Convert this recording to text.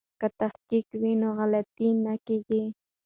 که تحقیق وي نو غلطي نه کیږي.